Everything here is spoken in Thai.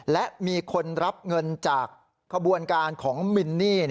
และมีคนรับเงินจากขบวนการของมินนี่